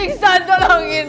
aku sudah diam